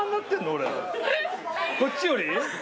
俺こっちより？